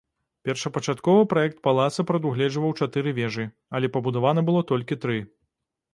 Першапачаткова праект палаца прадугледжваў чатыры вежы, але пабудавана было толькі тры.